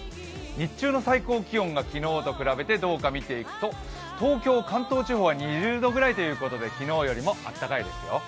日中の最高気温が昨日と比べてどうか見ていくと東京関東地方は２０度ぐらいということで、昨日よりも暖かいですよ。